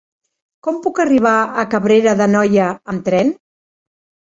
Com puc arribar a Cabrera d'Anoia amb tren?